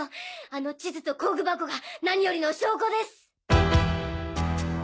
あの地図と工具箱がなによりの証拠です！